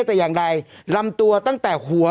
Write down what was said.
แต่อย่างใดลำตัวตั้งแต่หัว